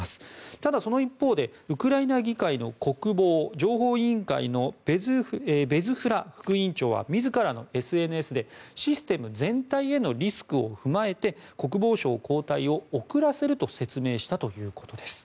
ただ、その一方でウクライナ議会の国防・情報委員会のベズフラ副委員長は自らのＳＮＳでシステム全体へのリスクを踏まえて国防相交代を遅らせると説明したということです。